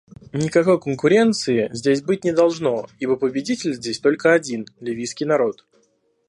Никакой конкуренции здесь быть не должно, ибо победитель здесь только один — ливийский народ.